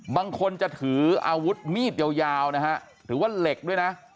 บางคนจะถืออาวุธมีดยาวนะฮะหรือว่าเหล็กด้วยนะ